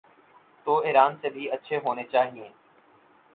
تو ایران سے بھی اچھے ہونے چائیں۔